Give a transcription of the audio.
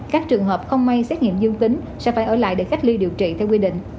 các trường hợp không may xét nghiệm dương tính sẽ phải ở lại để cách ly điều trị theo quy định